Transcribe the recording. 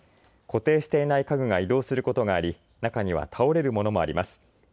固定していない家具が移動することがあり中には倒れるものもあります。